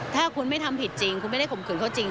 ถ้าคุณไม่ทำผิดจริงคุณไม่ได้ข่มขืนเขาจริง